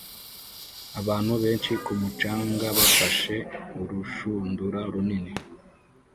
Abantu benshi ku mucanga bafashe urushundura runini